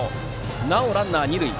なおもランナーは二塁。